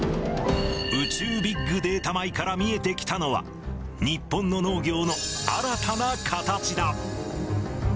宇宙ビッグデータ米から見えてきたのは、日本の農業の新たな形だ。